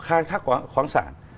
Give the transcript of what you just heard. khai thác khoáng sản